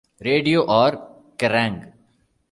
Radio or Kerrang!